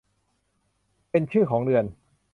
เป็นชื่อของเดือน